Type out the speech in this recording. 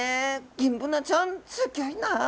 ギンブナちゃんすギョいなあ。